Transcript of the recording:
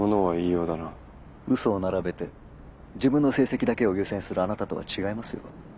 嘘を並べて自分の成績だけを優先するあなたとは違いますよ。